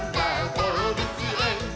どうぶつえん」